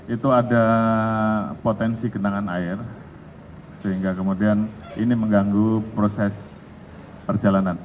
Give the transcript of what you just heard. itu ada potensi genangan air sehingga kemudian ini mengganggu proses perjalanan